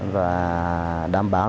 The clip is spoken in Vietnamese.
và đảm bảo